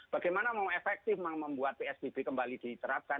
bagaimana mau efektif membuat psbb kembali diterapkan